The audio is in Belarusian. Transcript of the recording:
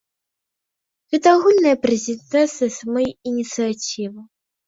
Гэта агульная прэзентацыя самой ініцыятывы.